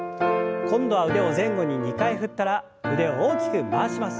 今度は腕を前後に２回振ったら腕を大きく回します。